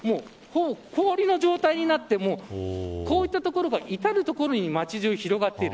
氷の状態になってこういったところが至る所に町中、広がっている。